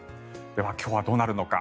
では、今日はどうなるのか。